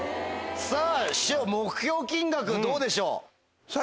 さぁ師匠目標金額どうでしょう？